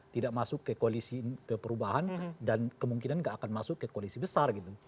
tidak masuk ke koalisi perubahan dan kemungkinan nggak akan masuk ke koalisi besar gitu